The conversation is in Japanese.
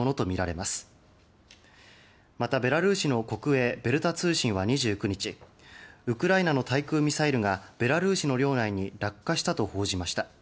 またベラルーシの国営ベルタ通信は２９日ウクライナの対空ミサイルがベラルーシの領内に落下したと報じました。